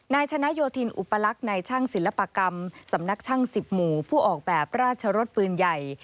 นายชนะโยธินอุปลักษณ์ในช่างศิลปกรรมสำนักช่าง๑๐หมู่ผู้ออกแบบราชรสปืนใหญ่